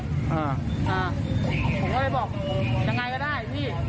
อ่าผมก็เลยบอกยังไงก็ได้พี่อ่าผมยังไงก็ได้ผมยังเรียกเขาพี่